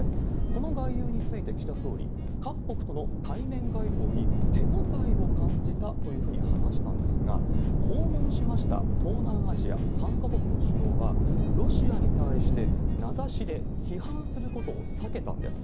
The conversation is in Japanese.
この外遊について岸田総理、各国との対面外交に手応えを感じたというふうに話したんですが、訪問しました東南アジア３か国の首脳は、ロシアに対して名指しで批判することを避けたんです。